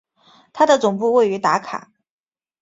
它的总部位于达卡。